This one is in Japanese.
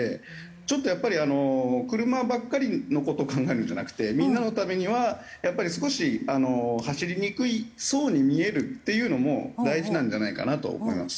ちょっとやっぱりあの車ばっかりの事を考えるんじゃなくてみんなのためにはやっぱり少し走りにくそうに見えるっていうのも大事なんじゃないかなと思います。